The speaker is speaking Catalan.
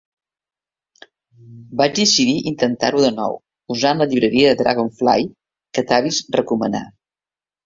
Vaig decidir intentar-ho de nou, usant la llibreria de Dragonfly que Tavis recomanar.